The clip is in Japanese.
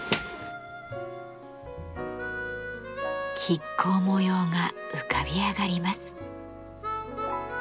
亀甲模様が浮かび上がります。